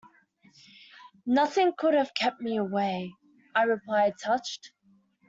"Nothing could have kept me away," I replied, touched.